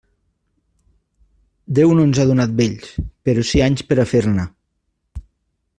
Déu no ens ha donat vells, però sí anys per a fer-ne.